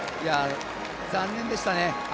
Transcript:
残念でしたね。